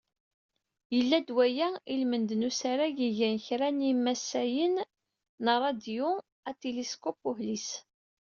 Yella-d waya ilmend n usarag i gan kra n yimasayen n radyu atiliskup uhlis.